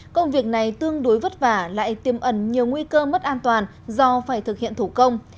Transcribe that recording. công việc này tương đối vất vả lại tiêm ẩn nhiều nguy cơ mất an toàn do phải thực hiện thủ công